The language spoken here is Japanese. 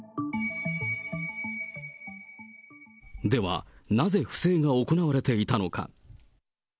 では、なぜ不正が行われていたのか。